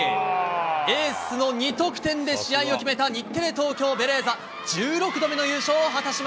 エースの２得点で試合を決めた日テレ・東京ベレーザ。